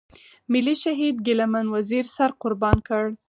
ملي شهيد ګيله من وزير سر قربان کړ.